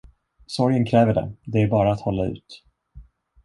Sorgen kräver det, det är bara att hålla ut.